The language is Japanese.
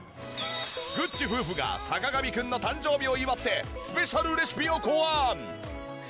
ぐっち夫婦が坂上くんの誕生日を祝ってスペシャルレシピを考案！